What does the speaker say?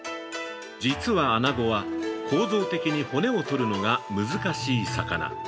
◆実はあなごは、構造的に骨を取るのが難しい魚。